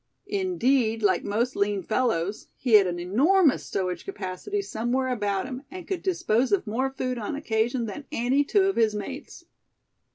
Indeed, like most lean fellows, he had an enormous stowage capacity somewhere about him, and could dispose of more food on occasion than any two of his mates.